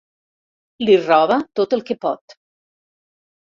Li roba tot el que pot.